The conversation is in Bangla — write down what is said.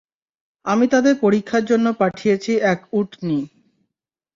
আমি তাদের পরীক্ষার জন্যে পাঠিয়েছি এক উটনী।